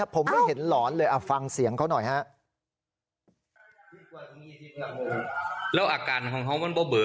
ผมไม่เห็นหลอนเลยฟังเสียงเขาหน่อยฮะ